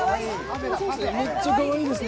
めっちゃかわいいですね。